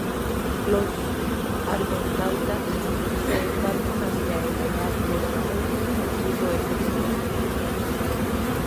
Los Argonautas se embarcan hacia el hogar llevando consigo ese tesoro.